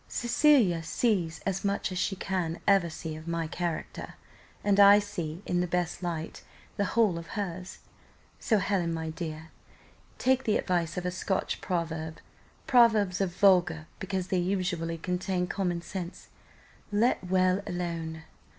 Cecilia sees as much as she can ever see of my character, and I see, in the best light, the whole of hers. So Helen, my dear, take the advice of a Scotch proverb proverbs are vulgar, because they usually contain common sense 'Let well alone.